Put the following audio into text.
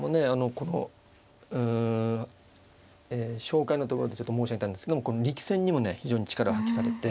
このうんえ紹介のところでちょっと申し上げたんですけども力戦にもね非常に力を発揮されて。